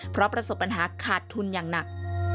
เพราะประสบปัญหาขาดทุนอย่างหนัก